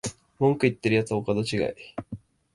文句言ってるやつはお門違い